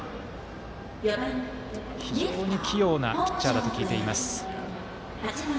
非常に器用なピッチャーだと聞いています。